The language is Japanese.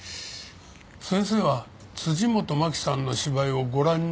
先生は辻本マキさんの芝居をご覧になった事は？